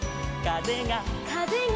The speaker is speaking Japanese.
「かぜが」